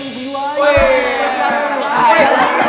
bro ekspresinya kurang lebih lain